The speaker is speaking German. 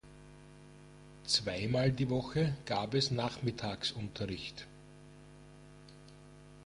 Zweimal die Woche gab es Nachmittagsunterricht.